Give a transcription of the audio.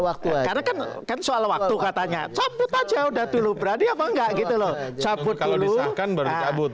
waktu waktu katanya cabut aja udah dulu berani apa enggak gitu loh kalau disahkan baru kabut